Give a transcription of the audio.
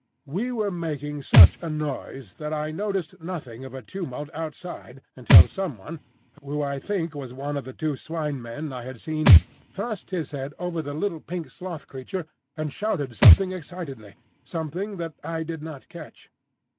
We were making such a noise that I noticed nothing of a tumult outside, until some one, who I think was one of the two Swine Men I had seen, thrust his head over the little pink sloth creature and shouted something excitedly, something that I did not catch.